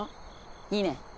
いいね。